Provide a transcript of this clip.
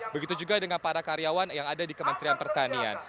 begitu juga dengan para karyawan yang ada di kementerian pertanian